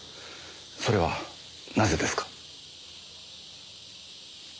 それはなぜですか？